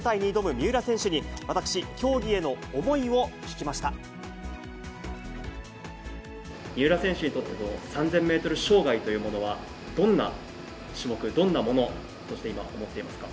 三浦選手にとって３０００メートル障害というものは、どんな種目、どんなものとして、今、思ってますか。